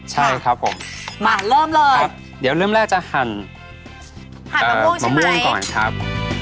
ใช่ครับผมมาเริ่มเลยเดี๋ยวเริ่มแรกจะหั่นมะม่วงก่อนครับหั่นมะม่วงใช่มั้ย